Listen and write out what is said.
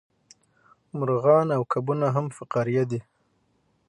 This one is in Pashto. مارغان او کبونه هم فقاریه دي